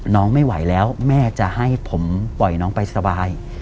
น้องไม่ไหวแล้วแม่จะให้ผมปล่อยน้องไปสบาย